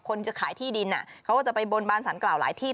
จะขายที่ดินเขาก็จะไปบนบานสารกล่าวหลายที่